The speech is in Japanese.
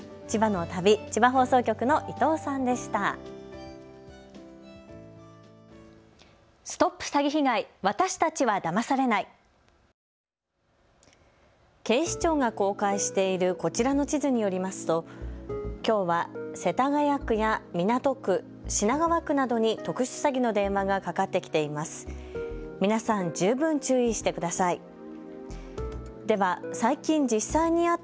千葉の旅千葉放送局の伊藤さんでした。